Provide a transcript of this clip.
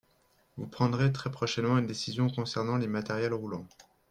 Vous prendrez très prochainement une décision concernant les matériels roulants.